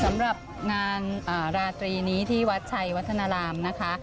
สำหรับงานราตรีนี้ที่วัดชัยวัฒนารามนะคะ